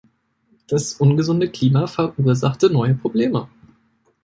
Das ungesunde Klima verursachte neue Probleme.